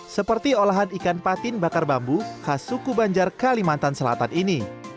seperti olahan ikan patin bakar bambu khas suku banjar kalimantan selatan ini